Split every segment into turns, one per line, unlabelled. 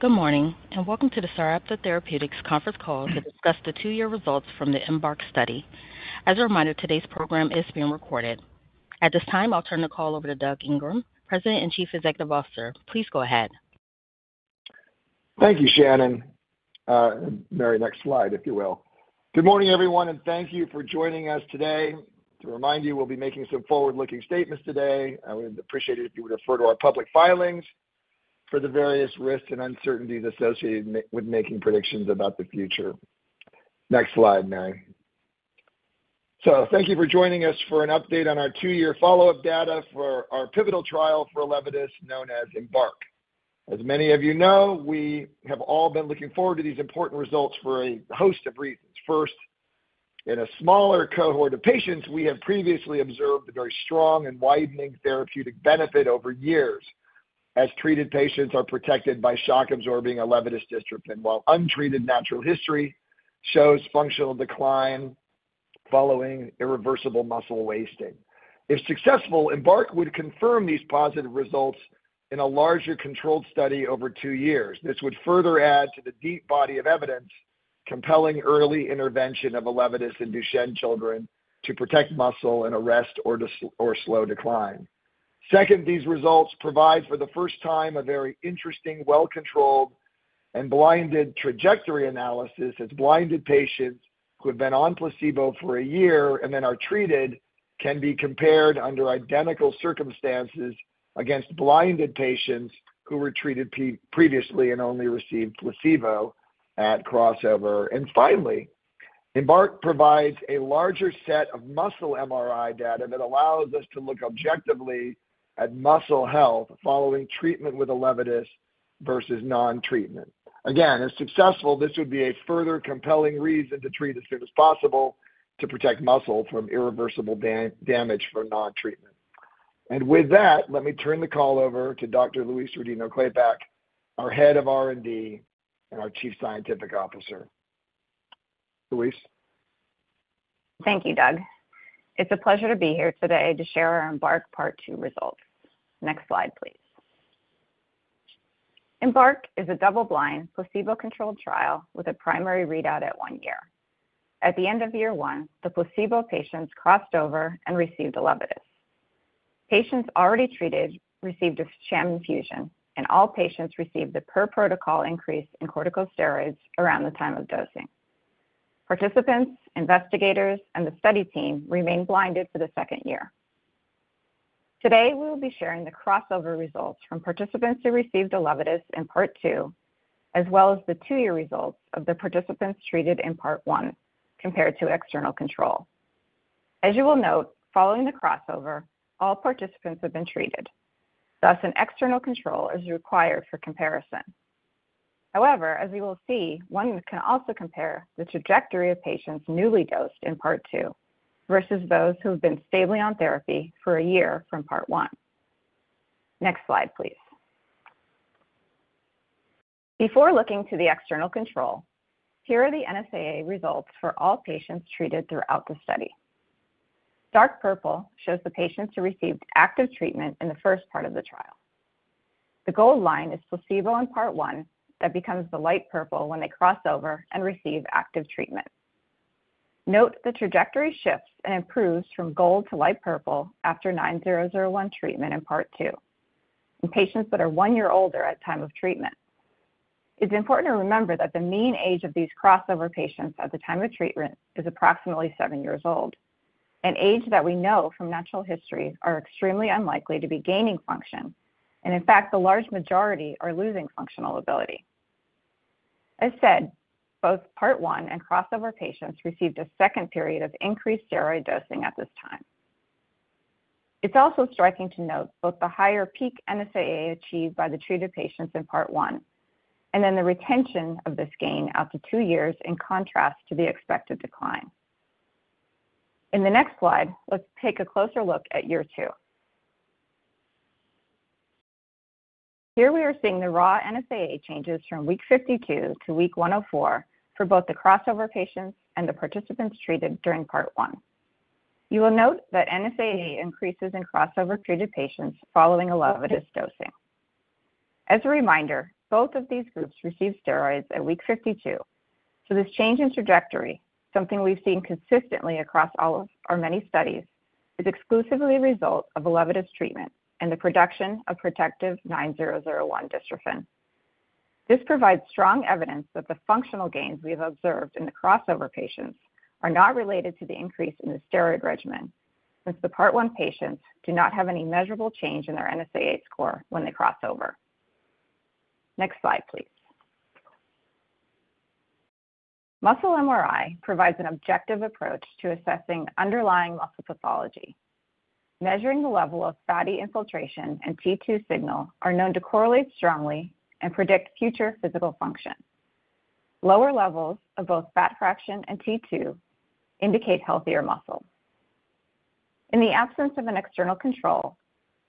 Good morning, and welcome to the Sarepta Therapeutics conference call to discuss the two-year results from the EMBARK study. As a reminder, today's program is being recorded. At this time, I'll turn the call over to Doug Ingram, President and Chief Executive Officer. Please go ahead.
Thank you, Shannon. Mary, next slide, if you will. Good morning, everyone, and thank you for joining us today. To remind you, we'll be making some forward-looking statements today. I would appreciate it if you would refer to our public filings for the various risks and uncertainties associated with making predictions about the future. Next slide, Mary. So thank you for joining us for an update on our two-year follow-up data for our pivotal trial for Elevidys known as EMBARK. As many of you know, we have all been looking forward to these important results for a host of reasons. First, in a smaller cohort of patients, we have previously observed a very strong and widening therapeutic benefit over years as treated patients are protected by shock-absorbing Elevidys dystrophin, while untreated natural history shows functional decline following irreversible muscle wasting. If successful, EMBARK would confirm these positive results in a larger controlled study over two years. This would further add to the deep body of evidence compelling early intervention of a Elevidys in Duchenne children to protect muscle and arrest or slow decline. Second, these results provide, for the first time, a very interesting, well-controlled, and blinded trajectory analysis as blinded patients who have been on placebo for a year and then are treated can be compared under identical circumstances against blinded patients who were treated previously and only received placebo at crossover. And finally, EMBARK provides a larger set of muscle MRI data that allows us to look objectively at muscle health following treatment with a Elevidys versus non-treatment. Again, if successful, this would be a further compelling reason to treat as soon as possible to protect muscle from irreversible damage from non-treatment. With that, let me turn the call over to Dr. Louise Rodino-Klapac, our Head of R&D and our Chief Scientific Officer. Louise.
Thank you, Doug. It's a pleasure to be here today to share our EMBARK part two results. Next slide, please. EMBARK is a double-blind placebo-controlled trial with a primary readout at one year. At the end of year one, the placebo patients crossed over and received Elevidys. Patients already treated received a sham infusion, and all patients received the per protocol increase in corticosteroids around the time of dosing. Participants, investigators, and the study team remain blinded for the second year. Today, we will be sharing the crossover results from participants who received Elevidys in part two, as well as the two-year results of the participants treated in part one compared to external control. As you will note, following the crossover, all participants have been treated. Thus, an external control is required for comparison. However, as you will see, one can also compare the trajectory of patients newly dosed in part two versus those who have been stably on therapy for a year from part one. Next slide, please. Before looking to the external control, here are the NSAA results for all patients treated throughout the study. Dark purple shows the patients who received active treatment in the first part of the trial. The gold line is placebo in part one that becomes the light purple when they cross over and receive active treatment. Note the trajectory shifts and improves from gold to light purple after 9001 treatment in part two in patients that are one year older at the time of treatment. It's important to remember that the mean age of these crossover patients at the time of treatment is approximately seven years old, an age that we know from natural history are extremely unlikely to be gaining function, and in fact, the large majority are losing functional ability. As said, both part one and crossover patients received a second period of increased steroid dosing at this time. It's also striking to note both the higher peak NSAA achieved by the treated patients in part one and then the retention of this gain out to two years in contrast to the expected decline. In the next slide, let's take a closer look at year two. Here we are seeing the raw NSAA changes from week 52 to week 104 for both the crossover patients and the participants treated during part one. You will note that NSAA increases in crossover treated patients following an Elevidys dosing. As a reminder, both of these groups received steroids at week 52. So this change in trajectory, something we've seen consistently across all of our many studies, is exclusively a result of an Elevidys treatment and the production of protective 9001 dystrophin. This provides strong evidence that the functional gains we have observed in the crossover patients are not related to the increase in the steroid regimen since the part one patients do not have any measurable change in their NSAA score when they cross over. Next slide, please. Muscle MRI provides an objective approach to assessing underlying muscle pathology. Measuring the level of fatty infiltration and T2 signal are known to correlate strongly and predict future physical function. Lower levels of both fat fraction and T2 indicate healthier muscle. In the absence of an external control,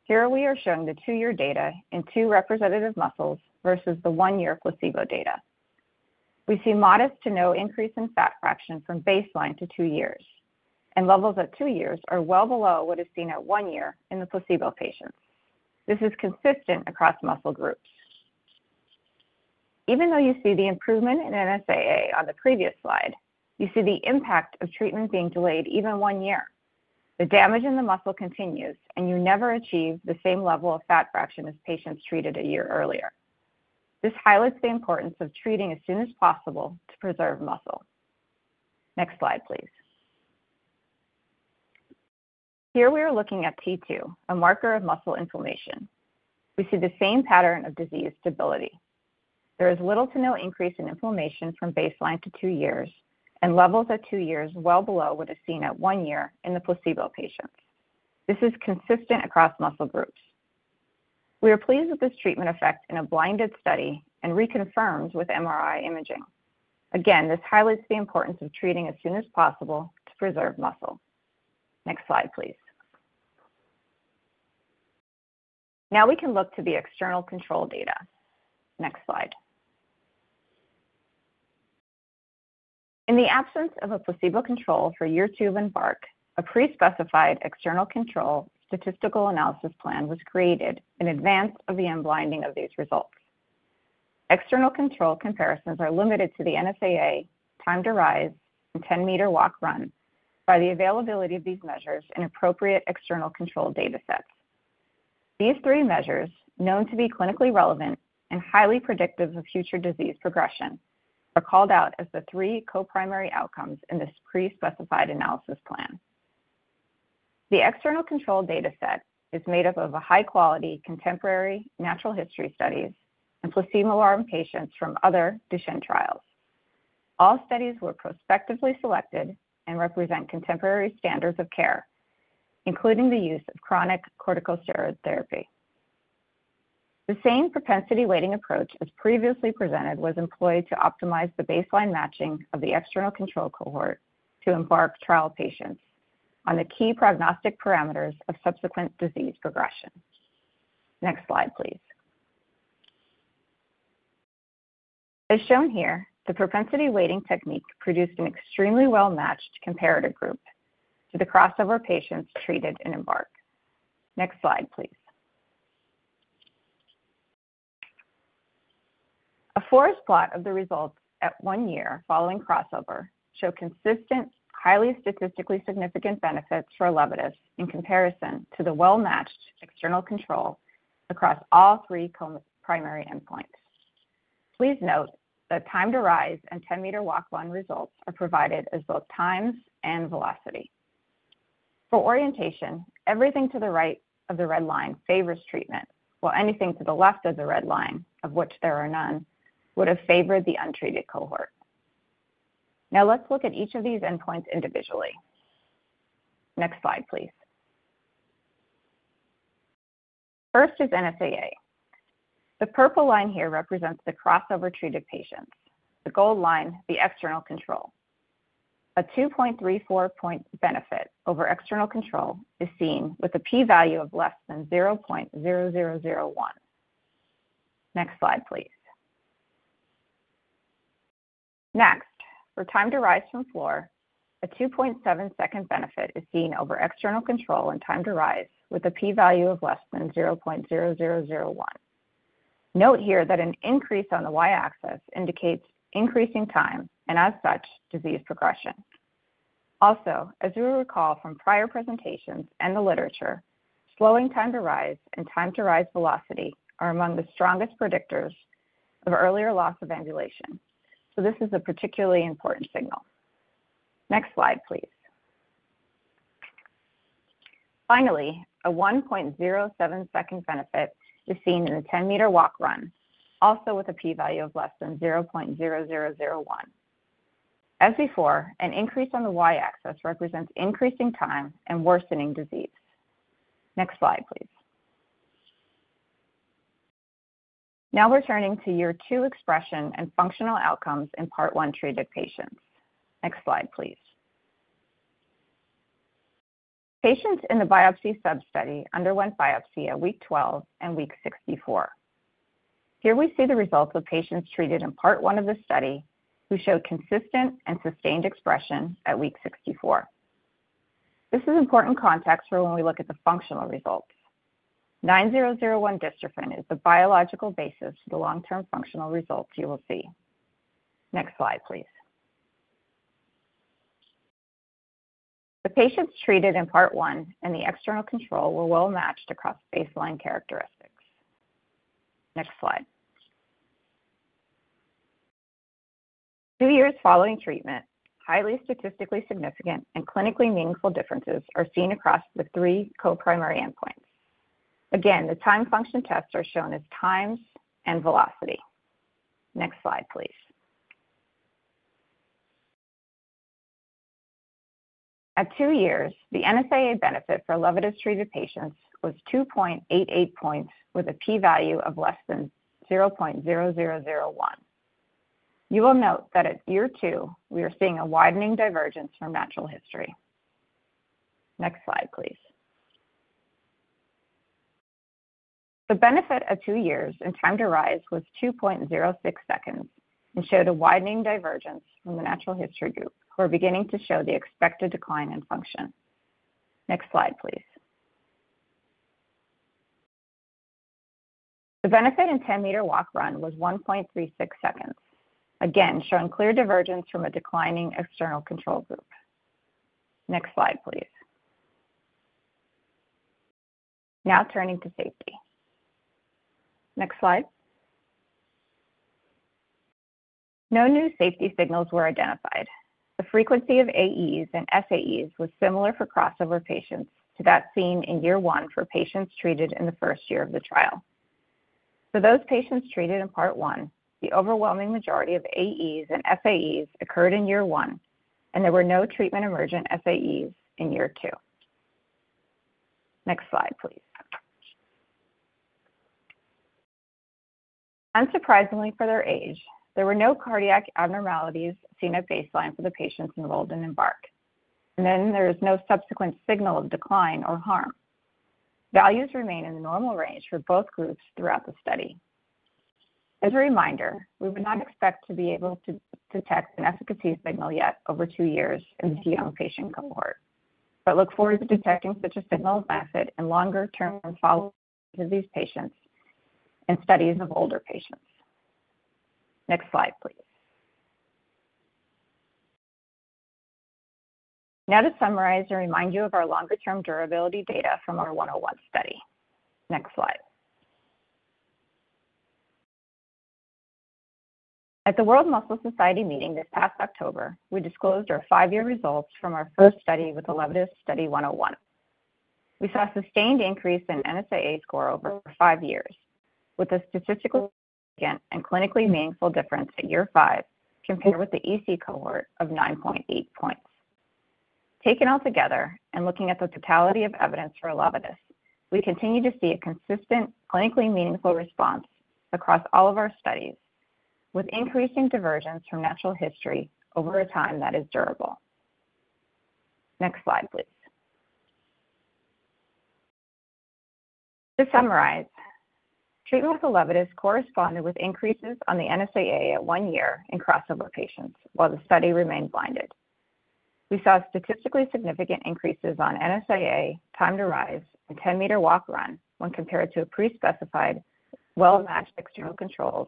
here we are showing the two-year data in two representative muscles versus the one-year placebo data. We see modest to no increase in fat fraction from baseline to two years, and levels at two years are well below what is seen at one year in the placebo patients. This is consistent across muscle groups. Even though you see the improvement in NSAA on the previous slide, you see the impact of treatment being delayed even one year. The damage in the muscle continues, and you never achieve the same level of fat fraction as patients treated a year earlier. This highlights the importance of treating as soon as possible to preserve muscle. Next slide, please. Here we are looking at T2, a marker of muscle inflammation. We see the same pattern of disease stability. There is little to no increase in inflammation from baseline to two years and levels at two years well below what is seen at one year in the placebo patients. This is consistent across muscle groups. We are pleased with this treatment effect in a blinded study and reconfirmed with MRI imaging. Again, this highlights the importance of treating as soon as possible to preserve muscle. Next slide, please. Now we can look to the external control data. Next slide. In the absence of a placebo control for year two of EMBARK, a pre-specified external control statistical analysis plan was created in advance of the unblinding of these results. External control comparisons are limited to the NSAA, time to rise, and 10-meter walk/run by the availability of these measures and appropriate external control data sets. These three measures, known to be clinically relevant and highly predictive of future disease progression, are called out as the three co-primary outcomes in this pre-specified analysis plan. The external control data set is made up of a high-quality contemporary natural history studies and placebo-arm patients from other Duchenne trials. All studies were prospectively selected and represent contemporary standards of care, including the use of chronic corticosteroid therapy. The same propensity-weighting approach as previously presented was employed to optimize the baseline matching of the external control cohort to EMBARK trial patients on the key prognostic parameters of subsequent disease progression. Next slide, please. As shown here, the propensity-weighting technique produced an extremely well-matched comparative group to the crossover patients treated in EMBARK. Next slide, please. A forest plot of the results at one year following crossover showed consistent, highly statistically significant benefits for Elevidys in comparison to the well-matched external control across all three primary endpoints. Please note that time to rise and 10-meter walk/run results are provided as both times and velocity. For orientation, everything to the right of the red line favors treatment, while anything to the left of the red line, of which there are none, would have favored the untreated cohort. Now let's look at each of these endpoints individually. Next slide, please. First is NSAA. The purple line here represents the crossover treated patients. The gold line, the external control. A 2.34-point benefit over external control is seen with a p-value of less than 0.0001. Next slide, please. Next, for time to rise from floor, a 2.7-second benefit is seen over external control in time to rise, with a p-value of less than 0.0001. Note here that an increase on the y-axis indicates increasing time and, as such, disease progression. Also, as you will recall from prior presentations and the literature, slowing time to rise and time to rise velocity are among the strongest predictors of earlier loss of ambulation. So this is a particularly important signal. Next slide, please. Finally, a 1.07-second benefit is seen in a 10-meter walk/run, also with a p-value of less than 0.0001. As before, an increase on the y-axis represents increasing time and worsening disease. Next slide, please. Now we're turning to year two expression and functional outcomes in part one treated patients. Next slide, please. Patients in the biopsy sub-study underwent biopsy at week 12 and week 64. Here we see the results of patients treated in part one of the study who showed consistent and sustained expression at week 64. This is important context for when we look at the functional results. 9001 dystrophin is the biological basis for the long-term functional results you will see. Next slide, please. The patients treated in part one and the external control were well-matched across baseline characteristics. Next slide. Two years following treatment, highly statistically significant and clinically meaningful differences are seen across the three co-primary endpoints. Again, the timed function tests are shown as times and velocity. Next slide, please. At two years, the NSAA benefit for Elevidys treated patients was 2.88 points with a p-value of less than 0.0001. You will note that at year two, we are seeing a widening divergence from natural history. Next slide, please. The benefit at two years and time to rise was 2.06 seconds and showed a widening divergence from the natural history group who are beginning to show the expected decline in function. Next slide, please. The benefit in 10-meter walk/run was 1.36 seconds, again showing clear divergence from a declining external control group. Next slide, please. Now turning to safety. Next slide. No new safety signals were identified. The frequency of AEs and SAEs was similar for crossover patients to that seen in year one for patients treated in the first year of the trial. For those patients treated in part one, the overwhelming majority of AEs and SAEs occurred in year one, and there were no treatment-emergent SAEs in year two. Next slide, please. Unsurprisingly for their age, there were no cardiac abnormalities seen at baseline for the patients enrolled in EMBARK, and then there is no subsequent signal of decline or harm. Values remain in the normal range for both groups throughout the study. As a reminder, we would not expect to be able to detect an efficacy signal yet over two years in the DMD patient cohort, but look forward to detecting such a signal method in longer-term follow-ups of these patients and studies of older patients. Next slide, please. Now to summarize and remind you of our longer-term durability data from our 101 study. Next slide. At the World Muscle Society meeting this past October, we disclosed our five-year results from our first study with the Elevidys study 101. We saw a sustained increase in NSAA score over five years with a statistically significant and clinically meaningful difference at year five compared with the EC cohort of 9.8 points. Taken all together and looking at the totality of evidence for Elevidys, we continue to see a consistent clinically meaningful response across all of our studies with increasing divergence from natural history over a time that is durable. Next slide, please. To summarize, treatment with the Elevidys corresponded with increases on the NSAA at one year in crossover patients while the study remained blinded. We saw statistically significant increases on NSAA, time to rise, and 10-meter walk/run when compared to a pre-specified well-matched external controls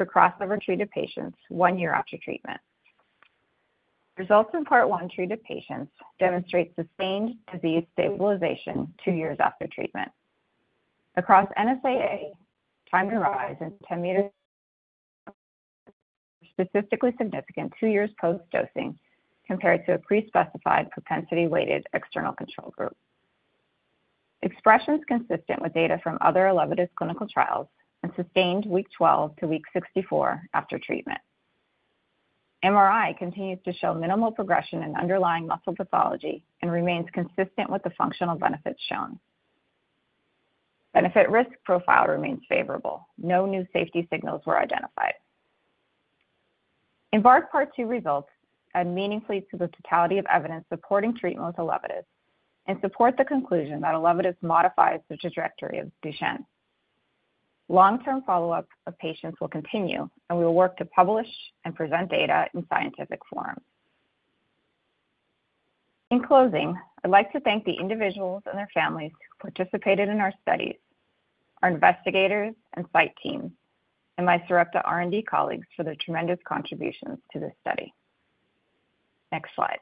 for crossover treated patients one year after treatment. Results in part one treated patients demonstrate sustained disease stabilization two years after treatment. Across NSAA, time to rise and 10 meters were statistically significant two years post-dosing compared to a pre-specified propensity-weighted external control group. Expression is consistent with data from other Elevidys clinical trials and sustained week 12 to week 64 after treatment. MRI continues to show minimal progression in underlying muscle pathology and remains consistent with the functional benefits shown. Benefit-risk profile remains favorable. No new safety signals were identified. EMBARK part two results add meaningfully to the totality of evidence supporting treatment with the Elevidys and support the conclusion that Elevidys modifies the trajectory of Duchenne. Long-term follow-up of patients will continue, and we will work to publish and present data in scientific form. In closing, I'd like to thank the individuals and their families who participated in our studies, our investigators and site teams, and my Sarepta R&D colleagues for their tremendous contributions to this study. Next slide.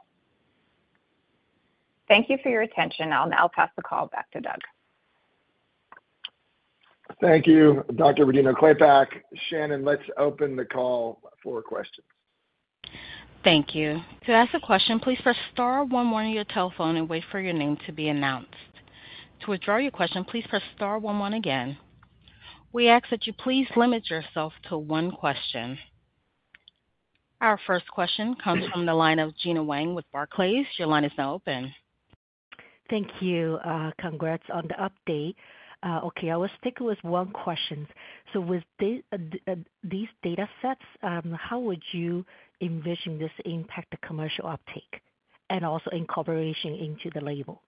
Thank you for your attention. I'll now pass the call back to Doug.
Thank you, Dr. Rodino-Klapac. Shannon, let's open the call for questions.
Thank you. To ask a question, please press star 11 on your telephone and wait for your name to be announced. To withdraw your question, please press star 11 again. We ask that you please limit yourself to one question. Our first question comes from the line of Gena Wang with Barclays. Your line is now open.
Thank you. Congrats on the update. Okay, I will stick with one question. So with these data sets, how would you envision this impact the commercial uptake and also incorporation into the label?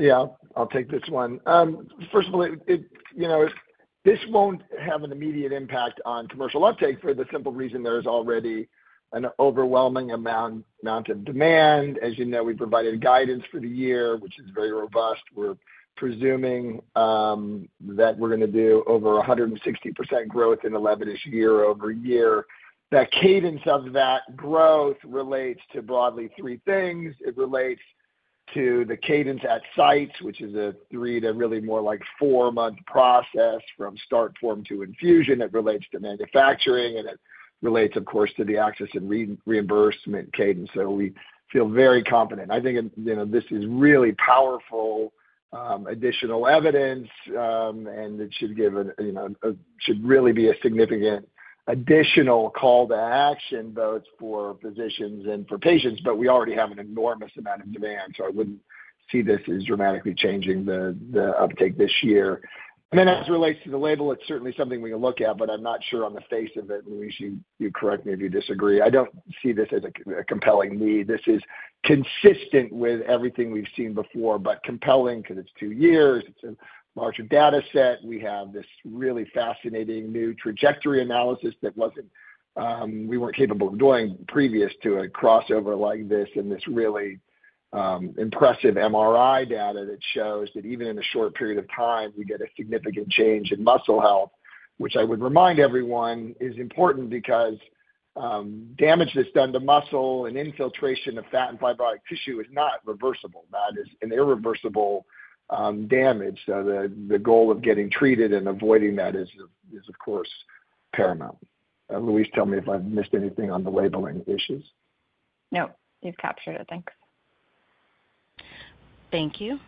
Yeah, I'll take this one. First of all, this won't have an immediate impact on commercial uptake for the simple reason there is already an overwhelming amount of demand. As you know, we provided guidance for the year, which is very robust. We're presuming that we're going to do over 160% growth in the Elevidys year over year. That cadence of that growth relates to broadly three things. It relates to the cadence at sites, which is a three- to really more like four-month process from start form to infusion. It relates to manufacturing, and it relates, of course, to the access and reimbursement cadence. So we feel very confident. I think this is really powerful additional evidence, and it should really be a significant additional call to action both for physicians and for patients, but we already have an enormous amount of demand, so I wouldn't see this as dramatically changing the uptake this year. And then as it relates to the label, it's certainly something we can look at, but I'm not sure on the face of it. Louise, you correct me if you disagree. I don't see this as a compelling need. This is consistent with everything we've seen before, but compelling because it's two years. It's a larger data set. We have this really fascinating new trajectory analysis that we weren't capable of doing previous to a crossover like this and this really impressive MRI data that shows that even in a short period of time, we get a significant change in muscle health, which I would remind everyone is important because damage that's done to muscle and infiltration of fat and fibrotic tissue is not reversible. That is an irreversible damage. So the goal of getting treated and avoiding that is, of course, paramount. Louise, tell me if I've missed anything on the labeling issues.
No, you've captured it. Thanks.
Thank you.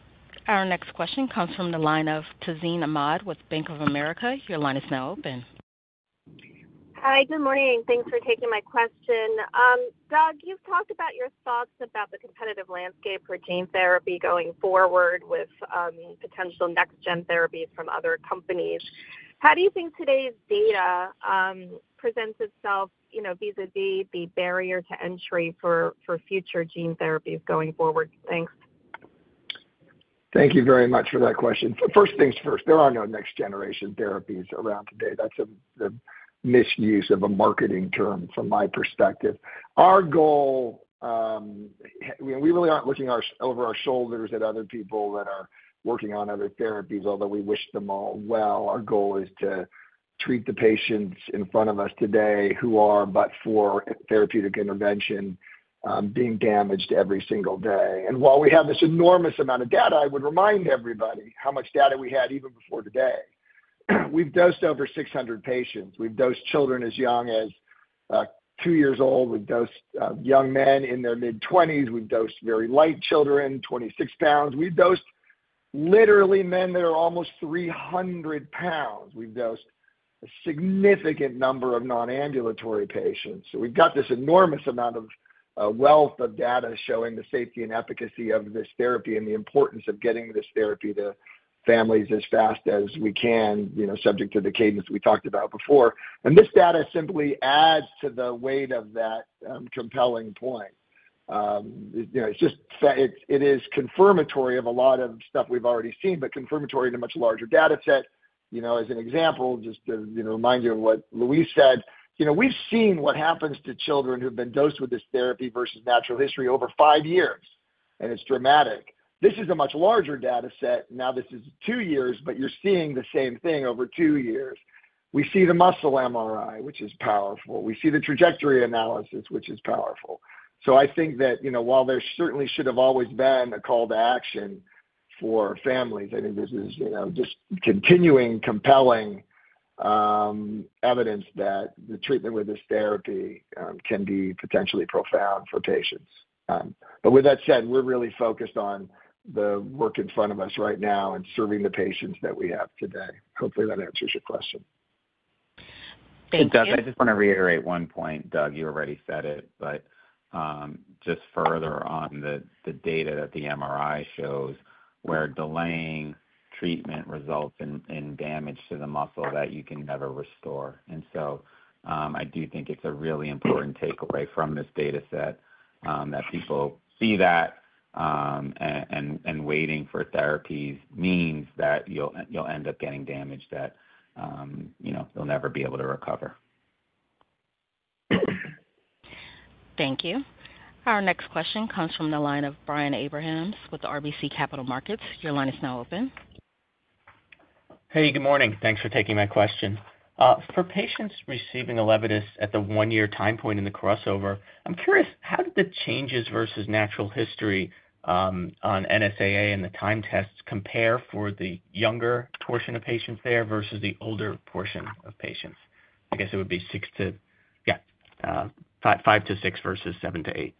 Our next question comes from the line of Tazeen Ahmad with Bank of America. Your line is now open.
Hi, good morning. Thanks for taking my question. Doug, you've talked about your thoughts about the competitive landscape for gene therapy going forward with potential next-gen therapies from other companies. How do you think today's data presents itself vis-à-vis the barrier to entry for future gene therapies going forward? Thanks.
Thank you very much for that question. First things first, there are no next-generation therapies around today. That's a misuse of a marketing term from my perspective. Our goal, we really aren't looking over our shoulders at other people that are working on other therapies, although we wish them all well. Our goal is to treat the patients in front of us today who are, but for therapeutic intervention, being damaged every single day, and while we have this enormous amount of data, I would remind everybody how much data we had even before today. We've dosed over 600 patients. We've dosed children as young as two years old. We've dosed young men in their mid-20s. We've dosed very light children, 26 pounds. We've dosed literally men that are almost 300 pounds. We've dosed a significant number of non-ambulatory patients, so we've got this enormous amount of wealth of data showing the safety and efficacy of this therapy and the importance of getting this therapy to families as fast as we can, subject to the cadence we talked about before, and this data simply adds to the weight of that compelling point. It is confirmatory of a lot of stuff we've already seen, but confirmatory in a much larger data set. As an example, just to remind you of what Louise said, we've seen what happens to children who've been dosed with this therapy versus natural history over five years, and it's dramatic. This is a much larger data set. Now this is two years, but you're seeing the same thing over two years. We see the muscle MRI, which is powerful. We see the trajectory analysis, which is powerful. So I think that while there certainly should have always been a call to action for families, I think this is just continuing compelling evidence that the treatment with this therapy can be potentially profound for patients. But with that said, we're really focused on the work in front of us right now and serving the patients that we have today. Hopefully, that answers your question.
Thank you. Doug, I just want to reiterate one point. Doug, you already said it, but just further on the data that the MRI shows where delaying treatment results in damage to the muscle that you can never restore, and so I do think it's a really important takeaway from this data set that people see that and waiting for therapies means that you'll end up getting damage that you'll never be able to recover.
Thank you. Our next question comes from the line of Brian Abrahams with RBC Capital Markets. Your line is now open.
Hey, good morning. Thanks for taking my question. For patients receiving ELEVIDYS at the one-year time point in the crossover, I'm curious, how did the changes versus natural history on NSAA and the time tests compare for the younger portion of patients there versus the older portion of patients? I guess it would be six to, yeah, five to six versus seven to eight.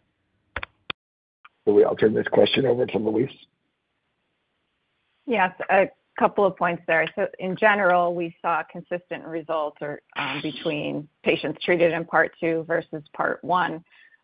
Shall we all turn this question over to Louise?
Yes, a couple of points there. So in general, we saw consistent results between patients treated in part two versus part one.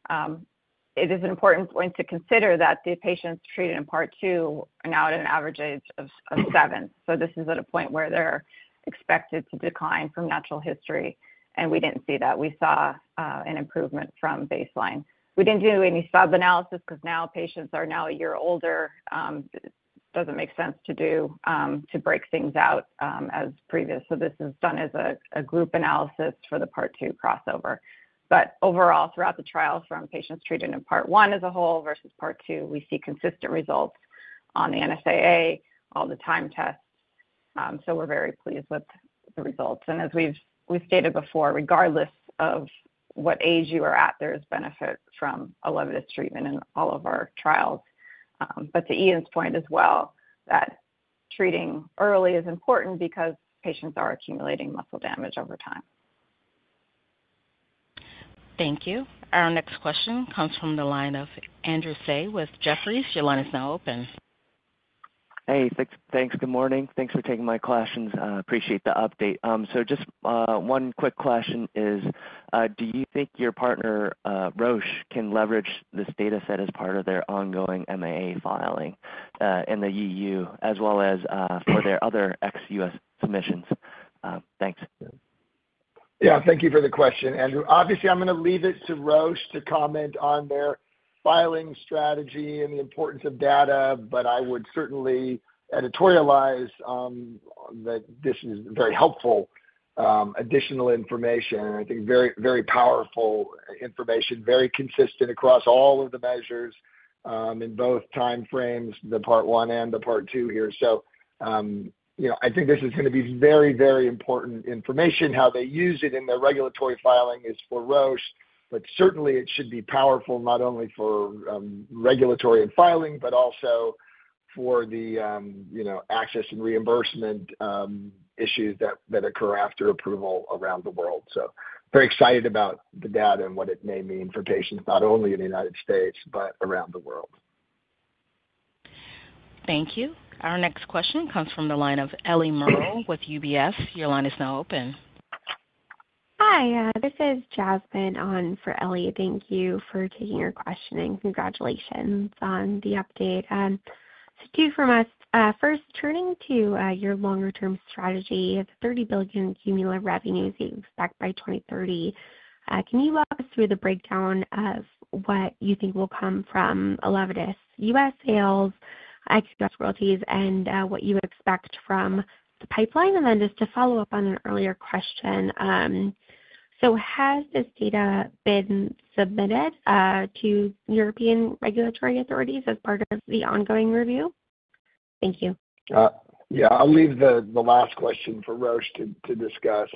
It is an important point to consider that the patients treated in part two are now at an average age of seven. So this is at a point where they're expected to decline from natural history, and we didn't see that. We saw an improvement from baseline. We didn't do any sub-analysis because now patients are a year older. It doesn't make sense to break things out as previous. So this is done as a group analysis for the part two crossover. But overall, throughout the trial from patients treated in part one as a whole versus part two, we see consistent results on the NSAA, all the time tests. So we're very pleased with the results. And as we've stated before, regardless of what age you are at, there is benefit from an Elevidys treatment in all of our trials. But to Ian's point as well, that treating early is important because patients are accumulating muscle damage over time.
Thank you. Our next question comes from the line of Andrew Tsai with Jefferies. Your line is now open.
Hey, thanks. Good morning. Thanks for taking my questions. Appreciate the update. So just one quick question is, do you think your partner, Roche, can leverage this data set as part of their ongoing MAA filing in the EU, as well as for their other ex-US submissions? Thanks.
Yeah, thank you for the question, Andrew. Obviously, I'm going to leave it to Roche to comment on their filing strategy and the importance of data, but I would certainly editorialize that this is very helpful additional information. I think very powerful information, very consistent across all of the measures in both time frames, the part one and the part two here. So I think this is going to be very, very important information. How they use it in their regulatory filing is for Roche, but certainly it should be powerful not only for regulatory and filing, but also for the access and reimbursement issues that occur after approval around the world. So very excited about the data and what it may mean for patients not only in the United States, but around the world.
Thank you. Our next question comes from the line of Eliana Merle with UBS. Your line is now open.
Hi, this is Jasmine on for Ellie. Thank you for taking your question and congratulations on the update. So two from us. First, turning to your longer-term strategy of $30 billion cumulative revenues you expect by 2030, can you walk us through the breakdown of what you think will come from ELEVIDYS U.S. sales, ex-U.S. royalties, and what you would expect from the pipeline? And then just to follow up on an earlier question, so has this data been submitted to European regulatory authorities as part of the ongoing review? Thank you.
Yeah, I'll leave the last question for Louise to discuss.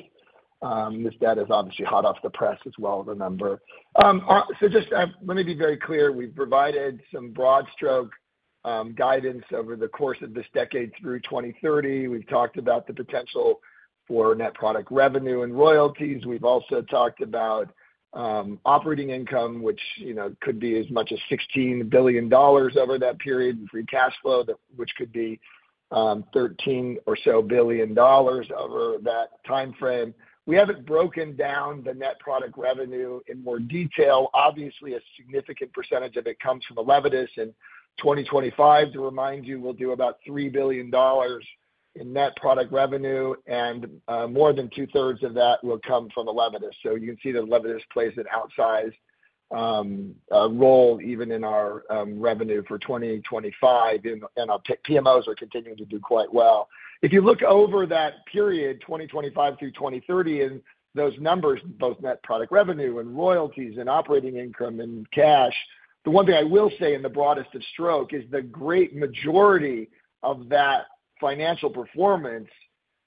This data is obviously hot off the press as well as a number. So just let me be very clear. We've provided some broad stroke guidance over the course of this decade through 2030. We've talked about the potential for net product revenue and royalties. We've also talked about operating income, which could be as much as $16 billion over that period in free cash flow, which could be $13 or so billion over that time frame. We haven't broken down the net product revenue in more detail. Obviously, a significant percentage of it comes from Elevidys. In 2025, to remind you, we'll do about $3 billion in net product revenue, and more than two-thirds of that will come from Elevidys. So you can see that Elevidys plays an outsized role even in our revenue for 2025, and our PMOs are continuing to do quite well. If you look over that period, 2025 through 2030, and those numbers, both net product revenue and royalties and operating income and cash, the one thing I will say in the broadest of strokes is the great majority of that financial performance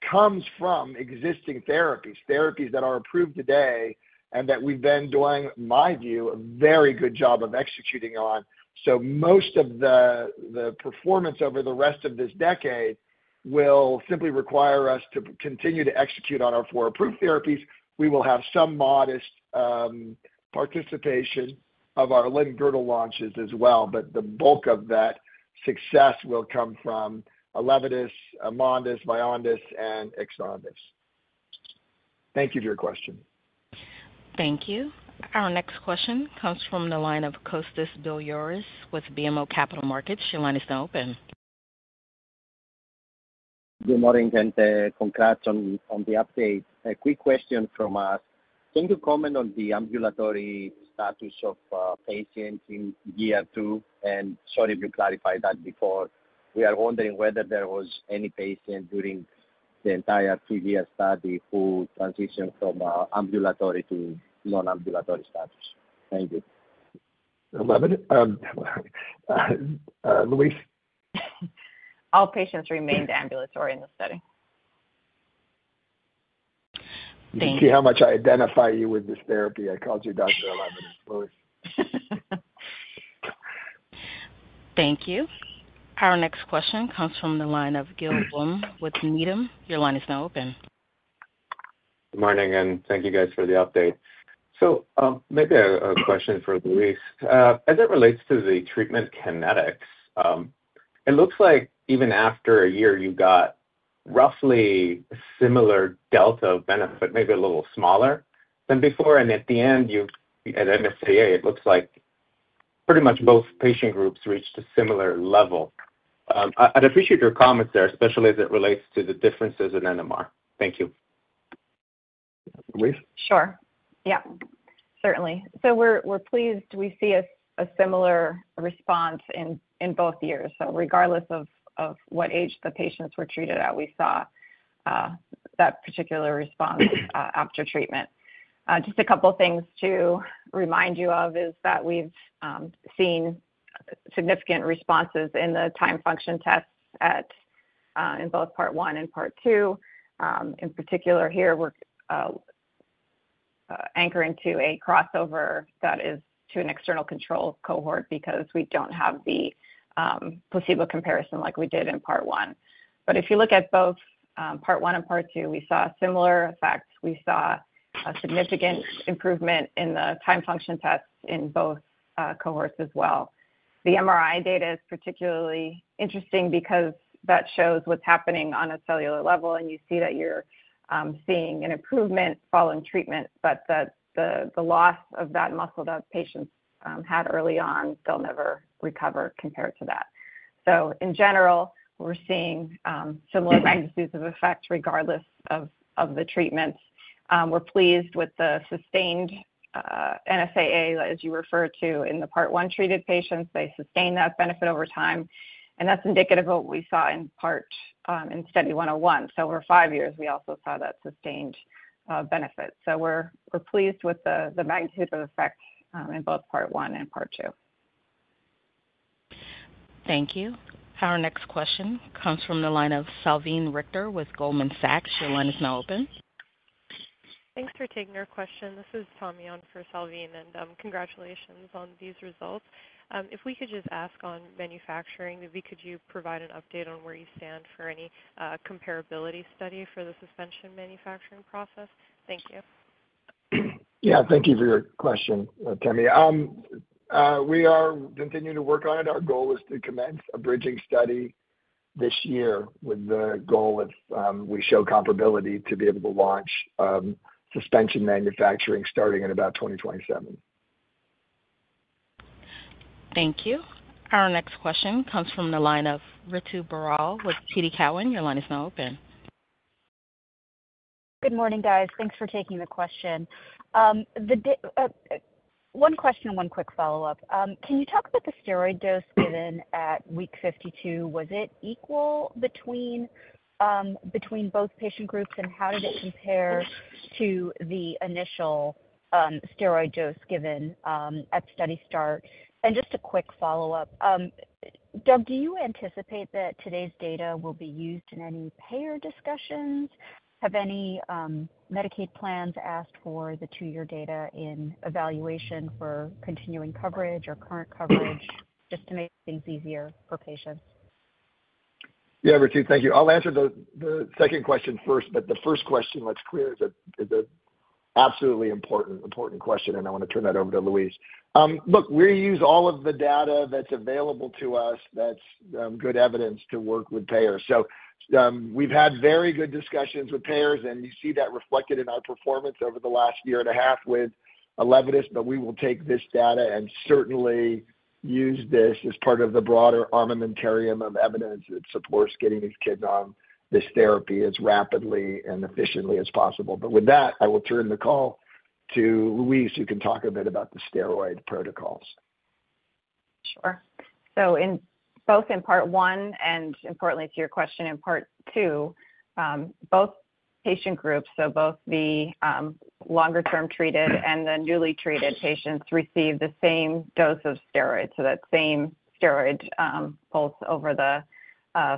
comes from existing therapies, therapies that are approved today and that we've been doing, in my view, a very good job of executing on. So most of the performance over the rest of this decade will simply require us to continue to execute on our four approved therapies. We will have some modest participation of our Limb-girdle launches as well, but the bulk of that success will come from Elevidys, Amondys 45, Vyondys 53, and Exondys 51. Thank you for your question. Thank you. Our next question comes from the line of Kostas Biliouris with BMO Capital Markets. Your line is now open.
Good morning, gents. Congrats on the update. A quick question from us. Can you comment on the ambulatory status of patients in year two? And sorry if you clarified that before. We are wondering whether there was any patient during the entire two-year study who transitioned from ambulatory to non-ambulatory status. Thank you.
Louise.
All patients remained ambulatory in the study. Thank you.
You see how much I identify you with this therapy. I called you Dr. Elevidys. Louise.
Thank you. Our next question comes from the line of Gil Blum with Needham. Your line is now open.
Good morning, and thank you guys for the update. So maybe a question for Louise. As it relates to the treatment kinetics, it looks like even after a year, you got roughly similar delta of benefit, maybe a little smaller than before. At the end, at NSAA, it looks like pretty much both patient groups reached a similar level. I'd appreciate your comments there, especially as it relates to the differences in NMR. Thank you. Louise?
Sure. Yeah, certainly. So we're pleased. We see a similar response in both years. So regardless of what age the patients were treated at, we saw that particular response after treatment. Just a couple of things to remind you of is that we've seen significant responses in the time function tests in both part one and part two. In particular, here, we're anchoring to a crossover that is to an external control cohort because we don't have the placebo comparison like we did in part one. But if you look at both part one and part two, we saw similar effects. We saw a significant improvement in the time function tests in both cohorts as well. The MRI data is particularly interesting because that shows what's happening on a cellular level, and you see that you're seeing an improvement following treatment, but the loss of that muscle that patients had early on, they'll never recover compared to that. So in general, we're seeing similar magnitudes of effect regardless of the treatments. We're pleased with the sustained NSAA that, as you referred to, in the part one treated patients, they sustained that benefit over time. And that's indicative of what we saw in part one in Study 101. So over five years, we also saw that sustained benefit. So we're pleased with the magnitude of effect in both part one and part two.
Thank you. Our next question comes from the line of Salveen Richter with Goldman Sachs. Your line is now open.
Thanks for taking our question. This is Tommy on for Salveen, and congratulations on these results. If we could just ask on manufacturing, maybe could you provide an update on where you stand for any comparability study for the suspension manufacturing process? Thank you.
Yeah, thank you for your question, Tommy. We are continuing to work on it. Our goal is to commence a bridging study this year with the goal if we show comparability to be able to launch suspension manufacturing starting in about 2027.
Thank you. Our next question comes from the line of Ritu Baral with TD Cowen. Your line is now open.
Good morning, guys. Thanks for taking the question. One question and one quick follow-up. Can you talk about the steroid dose given at week 52? Was it equal between both patient groups, and how did it compare to the initial steroid dose given at study start? And just a quick follow-up. Doug, do you anticipate that today's data will be used in any payer discussions? Have any Medicaid plans asked for the two-year data in evaluation for continuing coverage or current coverage just to make things easier for patients?
Yeah, Ritu, thank you. I'll answer the second question first, but the first question, let's clear, is an absolutely important question, and I want to turn that over to Louise. Look, we use all of the data that's available to us that's good evidence to work with payers. We've had very good discussions with payers, and you see that reflected in our performance over the last year and a half with ELEVIDYS, but we will take this data and certainly use this as part of the broader armamentarium of evidence that supports getting these kids on this therapy as rapidly and efficiently as possible. But with that, I will turn the call to Louise, who can talk a bit about the steroid protocols.
Sure. Both in part one and, importantly, to your question in part two, both patient groups, so both the longer-term treated and the newly treated patients, received the same dose of steroids. That same steroid pulse over the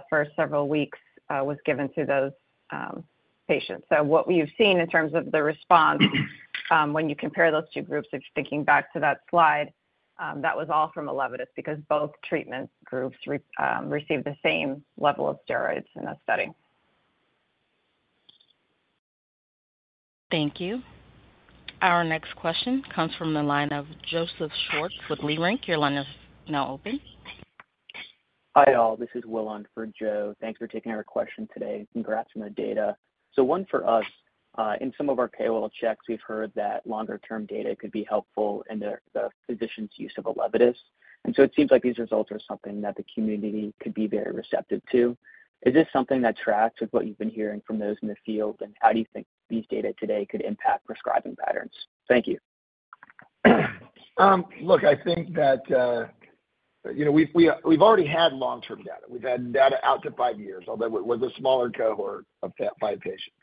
first several weeks was given to those patients. So what we've seen in terms of the response, when you compare those two groups, if you're thinking back to that slide, that was all from a Elevidys because both treatment groups received the same level of steroids in the study.
Thank you. Our next question comes from the line of Joseph Schwartz with Leerink Partners. Your line is now open.
Hi all. This is Will on for Joe. Thanks for taking our question today. Congrats on the data. So one for us, in some of our payor checks, we've heard that longer-term data could be helpful in the physician's use of a ELEVIDYS. And so it seems like these results are something that the community could be very receptive to. Is this something that tracks with what you've been hearing from those in the field, and how do you think these data today could impact prescribing patterns? Thank you.
Look, I think that we've already had long-term data. We've had data out to five years, although it was a smaller cohort of five patients.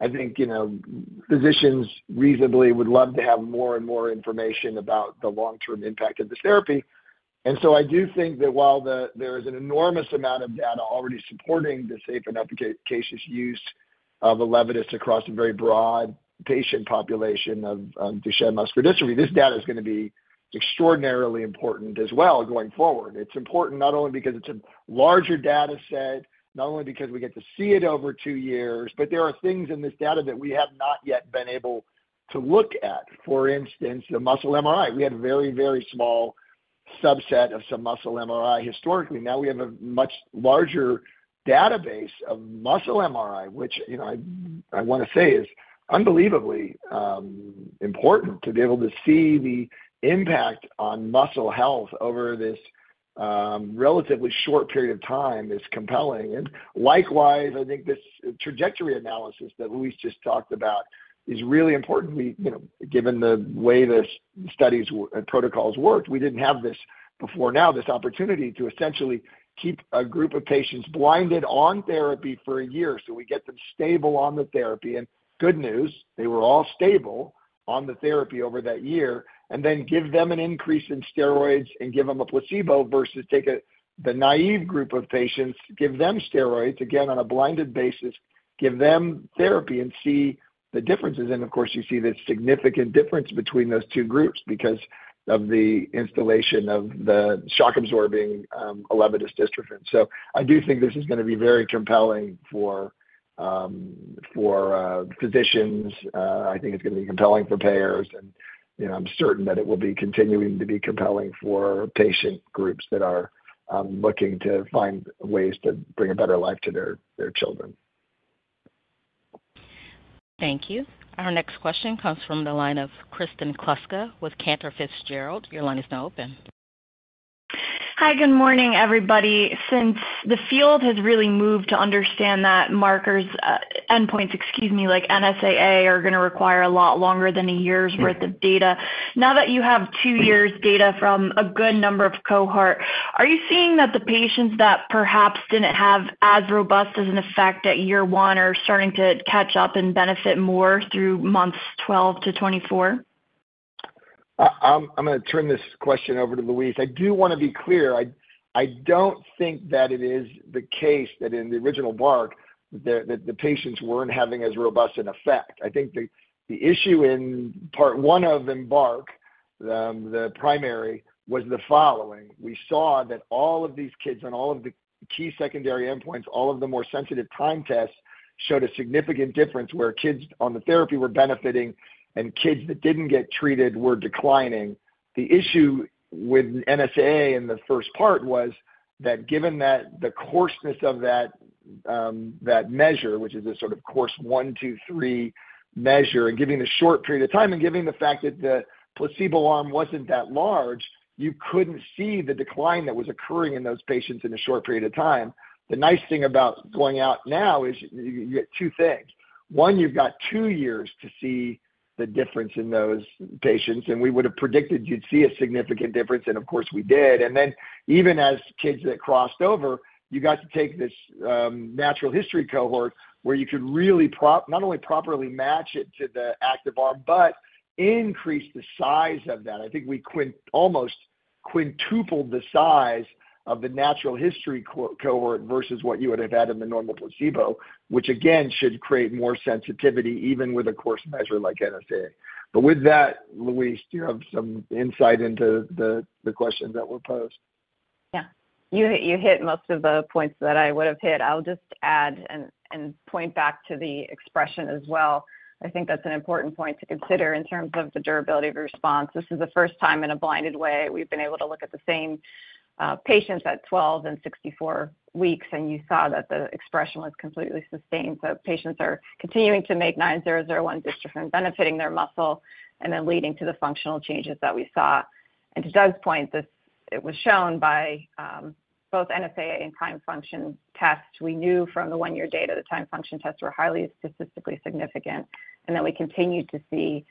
I think physicians reasonably would love to have more and more information about the long-term impact of this therapy. And so I do think that while there is an enormous amount of data already supporting the safe and efficacious use of ELEVIDYS across a very broad patient population of Duchenne muscular dystrophy, this data is going to be extraordinarily important as well going forward. It's important not only because it's a larger data set, not only because we get to see it over two years, but there are things in this data that we have not yet been able to look at. For instance, the muscle MRI. We had a very, very small subset of some muscle MRI historically. Now we have a much larger database of muscle MRI, which I want to say is unbelievably important to be able to see the impact on muscle health over this relatively short period of time, is compelling. And likewise, I think this trajectory analysis that Louise just talked about is really important. Given the way the studies and protocols worked, we didn't have this before now, this opportunity to essentially keep a group of patients blinded on therapy for a year so we get them stable on the therapy. And good news, they were all stable on the therapy over that year, and then give them an increase in steroids and give them a placebo versus take the naive group of patients, give them steroids, again, on a blinded basis, give them therapy and see the differences. Of course, you see the significant difference between those two groups because of the installation of the shock-absorbing ELEVIDYS dystrophin. So I do think this is going to be very compelling for physicians. I think it's going to be compelling for payers, and I'm certain that it will be continuing to be compelling for patient groups that are looking to find ways to bring a better life to their children.
Thank you. Our next question comes from the line of Kristen Kluska with Cantor Fitzgerald. Your line is now open.
Hi, good morning, everybody. Since the field has really moved to understand that markers, endpoints, excuse me, like NSAA are going to require a lot longer than a year's worth of data, now that you have two years' data from a good number of cohorts, are you seeing that the patients that perhaps didn't have as robust of an effect at year one are starting to catch up and benefit more through months 12-24?
I'm going to turn this question over to Louise. I do want to be clear. I don't think that it is the case that in the original EMBARK, that the patients weren't having as robust an effect. I think the issue in part one of the EMBARK, the primary, was the following. We saw that all of these kids on all of the key secondary endpoints, all of the more sensitive time tests showed a significant difference where kids on the therapy were benefiting and kids that didn't get treated were declining. The issue with NSAA in the first part was that given that the coarseness of that measure, which is a sort of coarse one, two, three measure, and giving the short period of time and giving the fact that the placebo arm wasn't that large, you couldn't see the decline that was occurring in those patients in a short period of time. The nice thing about going out now is you get two things. One, you've got two years to see the difference in those patients, and we would have predicted you'd see a significant difference, and of course, we did. And then even as kids that crossed over, you got to take this natural history cohort where you could really not only properly match it to the active arm, but increase the size of that. I think we almost quintupled the size of the natural history cohort versus what you would have had in the normal placebo, which again should create more sensitivity even with a coarse measure like NSAA. But with that, Louise, do you have some insight into the questions that were posed?
Yeah. You hit most of the points that I would have hit. I'll just add and point back to the expression as well. I think that's an important point to consider in terms of the durability of the response. This is the first time in a blinded way we've been able to look at the same patients at 12 and 64 weeks, and you saw that the expression was completely sustained. So patients are continuing to make 9001 dystrophin, benefiting their muscle, and then leading to the functional changes that we saw. And to Doug's point, it was shown by both NSAA and time function tests. We knew from the one-year data that time function tests were highly statistically significant, and then we continued to see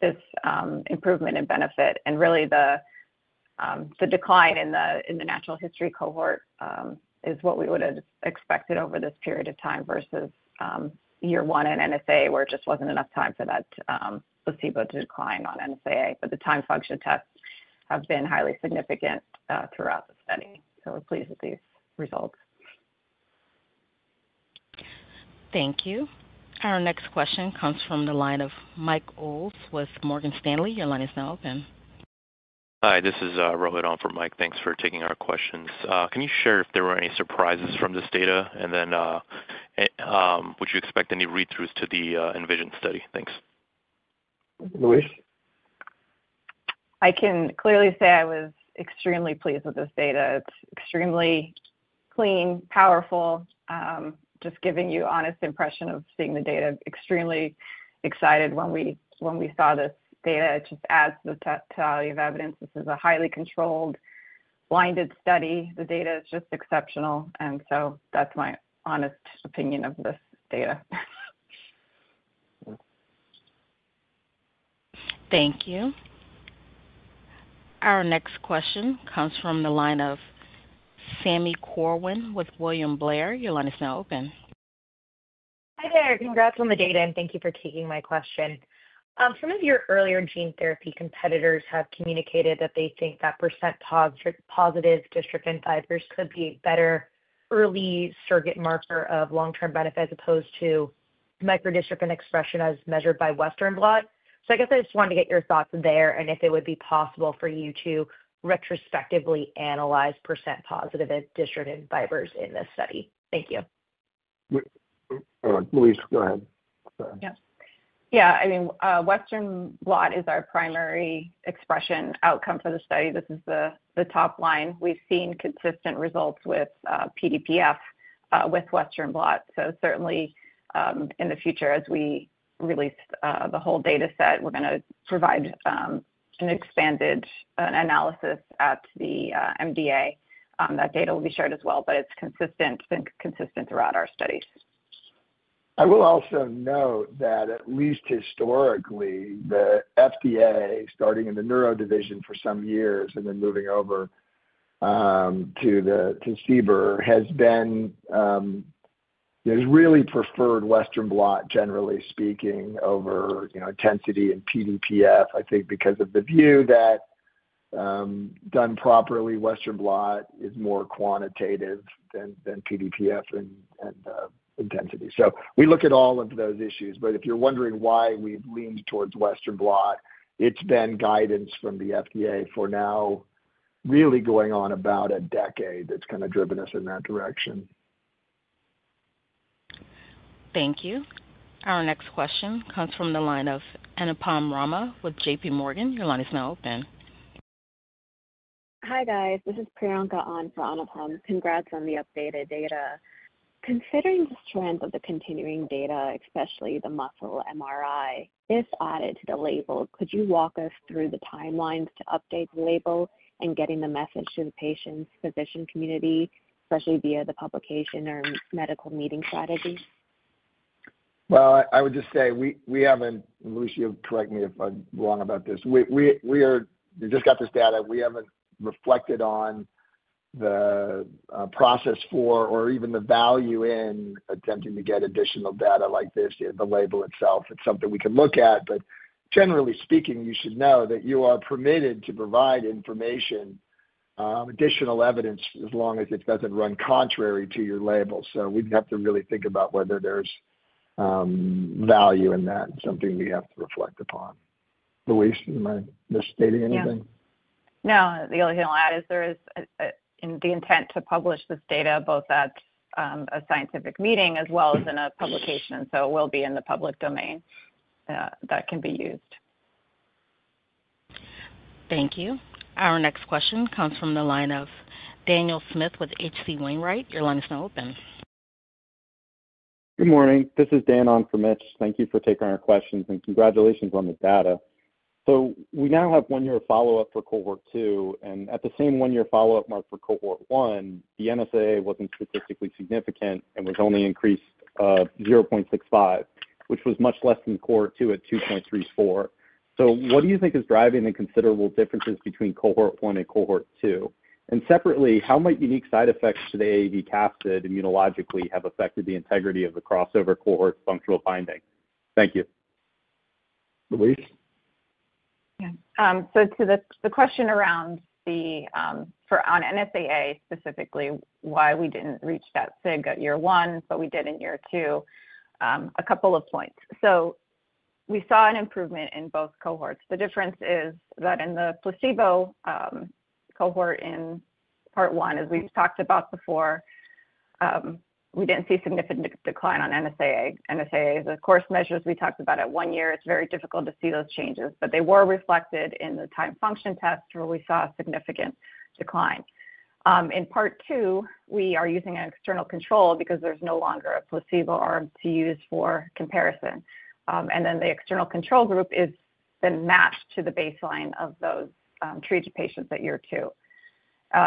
this improvement in benefit. And really, the decline in the natural history cohort is what we would have expected over this period of time versus year one in NSAA, where it just wasn't enough time for that placebo to decline on NSAA. But the time function tests have been highly significant throughout the study. So we're pleased with these results.
Thank you. Our next question comes from the line of Michael Ulz with Morgan Stanley. Your line is now open.
Hi, this is Rohit Ong for Mike. Thanks for taking our questions. Can you share if there were any surprises from this data? And then would you expect any read-throughs to the ENVISION study? Thanks.
Louise?
I can clearly say I was extremely pleased with this data. It's extremely clean, powerful, just giving you an honest impression of seeing the data. Extremely excited when we saw this data. It just adds to the value of evidence. This is a highly controlled, blinded study. The data is just exceptional. And so that's my honest opinion of this data.
Thank you. Our next question comes from the line of Sami Corwin with William Blair. Your line is now open.
Hi there. Congrats on the data, and thank you for taking my question. Some of your earlier gene therapy competitors have communicated that they think that percent dystrophin positive fibers could be a better early surrogate marker of long-term benefit as opposed to micro-dystrophin expression as measured by Western blot. So I guess I just wanted to get your thoughts there and if it would be possible for you to retrospectively analyze percent dystrophin positive fibers in this study. Thank you.
Louise, go ahead.
Yeah. Yeah. I mean, Western blot is our primary expression outcome for the study. This is the top line. We've seen consistent results with PDPF with Western blot. So certainly, in the future, as we release the whole data set, we're going to provide an expanded analysis at the MDA. That data will be shared as well, but it's been consistent throughout our studies.
I will also note that at least historically, the FDA, starting in the neuro division for some years and then moving over to CBER, has really preferred Western blot, generally speaking, over intensity and PDPF, I think, because of the view that done properly, Western blot is more quantitative than PDPF and intensity. So we look at all of those issues. But if you're wondering why we've leaned towards Western blot, it's been guidance from the FDA for now, really going on about a decade that's kind of driven us in that direction.
Thank you. Our next question comes from the line of Anupam Rama with JPMorgan. Your line is now open.
Hi guys. This is Priyanka on for Anupam. Congrats on the updated data. Considering the strength of the continuing data, especially the muscle MRI, if added to the label, could you walk us through the timelines to update the label and getting the message to the patients, physician community, especially via the publication or medical meeting strategy?
I would just say we haven't, Louise, you'll correct me if I'm wrong about this, we just got this data. We haven't reflected on the process for or even the value in attempting to get additional data like this in the label itself. It's something we can look at, but generally speaking, you should know that you are permitted to provide information, additional evidence, as long as it doesn't run contrary to your label. So we'd have to really think about whether there's value in that, something we have to reflect upon. Louise, am I misstating anything?
No. The only thing I'll add is there is the intent to publish this data both at a scientific meeting as well as in a publication. So it will be in the public domain that can be used.
Thank you. Our next question comes from the line of Daniel Smith with H.C. Wainwright. Your line is now open.
Good morning. This is Dan On for Mitch. Thank you for taking our questions and congratulations on the data. So we now have one-year follow-up for cohort two. And at the same one-year follow-up mark for cohort one, the NSAA wasn't statistically significant and was only increased 0.65, which was much less than cohort two at 2.34. So what do you think is driving the considerable differences between cohort one and cohort two? Separately, how might unique side effects to the AAV capsid immunologically have affected the integrity of the crossover cohort's functional finding? Thank you.
Louise?
Yeah. So to the question around the NSAA specifically, why we didn't reach that SIG at year one, but we did in year two, a couple of points. So we saw an improvement in both cohorts. The difference is that in the placebo cohort in part one, as we've talked about before, we didn't see a significant decline on NSAA. NSAA is a coarse measure. We talked about it one year. It's very difficult to see those changes, but they were reflected in the timed function test where we saw a significant decline. In part two, we are using an external control because there's no longer a placebo arm to use for comparison. And then the external control group is then matched to the baseline of those treated patients at year two.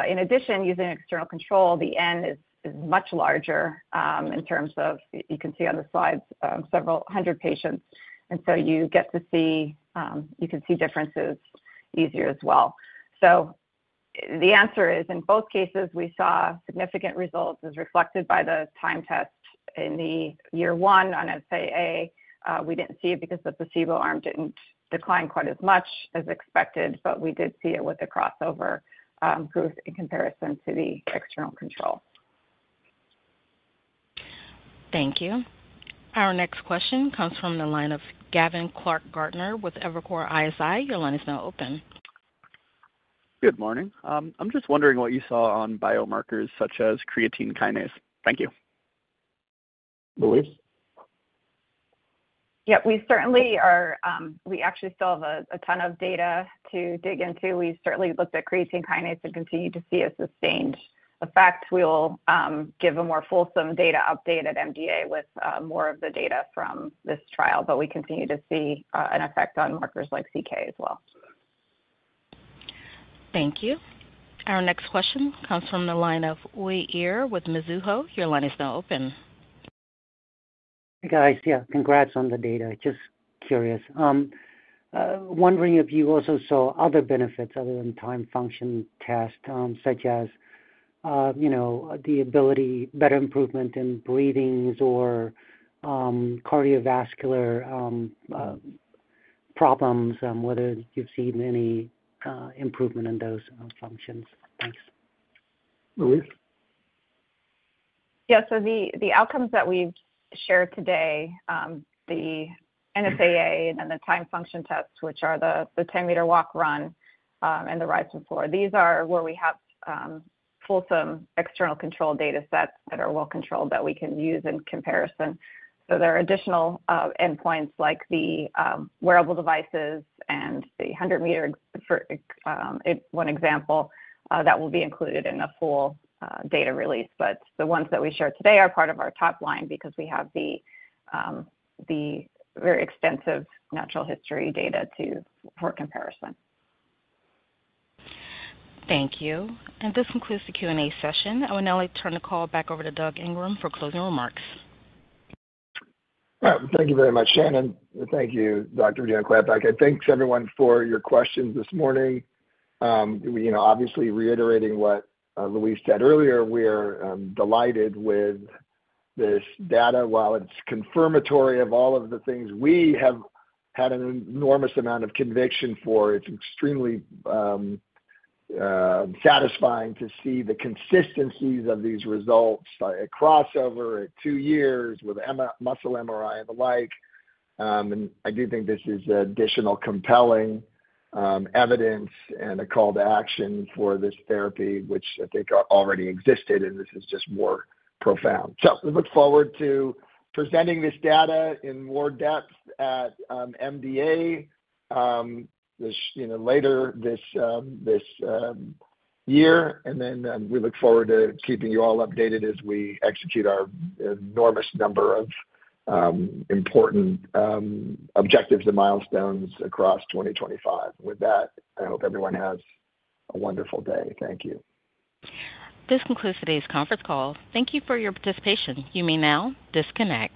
In addition, using external control, the N is much larger in terms of, you can see on the slides several hundred patients. And so you get to see, you can see differences easier as well. So the answer is, in both cases, we saw significant results as reflected by the time test in the year one on NSAA. We didn't see it because the placebo arm didn't decline quite as much as expected, but we did see it with the crossover group in comparison to the external control. Thank you. Our next question comes from the line of Gavin Clark-Gartner with Evercore ISI. Your line is now open.
Good morning. I'm just wondering what you saw on biomarkers such as creatine kinase. Thank you.
Louise?
We certainly are. We actually still have a ton of data to dig into. We certainly looked at creatine kinase and continue to see a sustained effect. We will give a more fulsome data update at MDA with more of the data from this trial, but we continue to see an effect on markers like CK as well.
Thank you. Our next question comes from the line of Uy Ear with Mizuho. Your line is now open.
Hey guys. Yeah. Congrats on the data. Just curious. Wondering if you also saw other benefits other than time function tests, such as the ability, better improvement in breathing or cardiovascular problems, whether you've seen any improvement in those functions. Thanks. Louise?
So the outcomes that we've shared today, the NSAA and then the time function tests, which are the 10-meter walk, run, and the rise from floor, these are where we have fulsome external control data sets that are well-controlled that we can use in comparison, so there are additional endpoints like the wearable devices and the 100-meter—one example that will be included in a full data release, but the ones that we shared today are part of our top line because we have the very extensive natural history data for comparison.
Thank you, and this concludes the Q&A session. I will now turn the call back over to Doug Ingram for closing remarks.
Thank you very much, Shannon. Thank you, Dr. Rodino-Klapac. Thanks, everyone, for your questions this morning. Obviously, reiterating what Louise said earlier, we are delighted with this data. While it's confirmatory of all of the things we have had an enormous amount of conviction for, it's extremely satisfying to see the consistencies of these results across over two years with muscle MRI and the like, and I do think this is additional compelling evidence and a call to action for this therapy, which I think already existed, and this is just more profound, so we look forward to presenting this data in more depth at MDA later this year, and then we look forward to keeping you all updated as we execute our enormous number of important objectives and milestones across 2025. With that, I hope everyone has a wonderful day. Thank you.
This concludes today's conference call. Thank you for your participation. You may now disconnect.